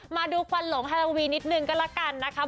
มาดูควันหลงฮาโลวีนิดนึงก็แล้วกันนะคะ